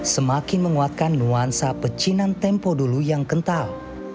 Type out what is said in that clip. semakin menguatkan nuansa pecinan tempo dulu yang kental